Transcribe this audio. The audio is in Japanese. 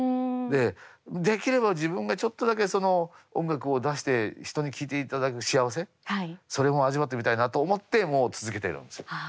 でできれば自分がちょっとだけその音楽を出して人に聞いていただく幸せそれも味わってみたいなと思ってもう続けてるんですよ。